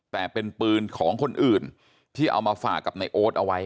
แต่เป็นปืนของคนอื่นที่เอามาฝากกับในโอ๊ตเอาไว้